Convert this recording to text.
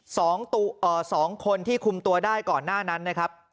เอ่อสองคนที่คุมตัวได้ก่อนหน้านั้นนะครับ